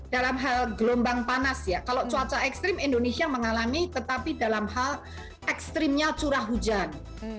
dalam hal gelombang panas ya kalau cuaca ekstrim indonesia mengalami tetapi dalam hal ekstrimnya curah hujan